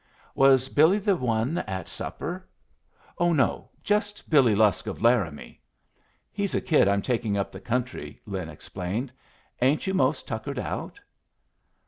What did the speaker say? Was Billy the one at supper? Oh no; just Billy Lusk, of Laramie. "He's a kid I'm taking up the country," Lin explained. "Ain't you most tuckered out?"